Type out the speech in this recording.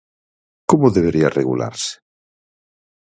Como debería regularse?